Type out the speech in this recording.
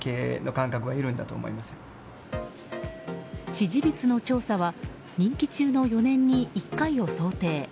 支持率の調査は任期中の４年に１回を想定。